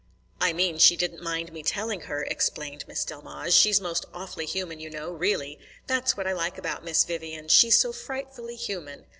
"I mean she didn't mind me telling her," explained Miss Delmege. "She's most awfully human, you know, really. That's what I like about Miss Vivian. She's so frightfully human."